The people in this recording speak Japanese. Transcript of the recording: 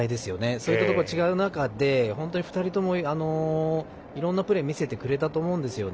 そういったところが違う中で本当に２人ともいろんなプレーを見せてくれたと思うんです。